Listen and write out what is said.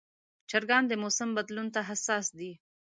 چرګان د موسم بدلون ته حساس دي.